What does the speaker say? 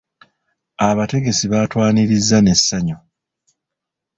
Abategesi baatwaniriza n'essanyu.